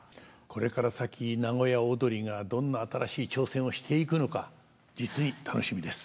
これから先名古屋をどりがどんな新しい挑戦をしていくのか実に楽しみです！